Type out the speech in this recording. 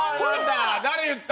誰言った？